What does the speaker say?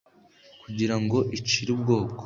Kugira ngo icire ubwoko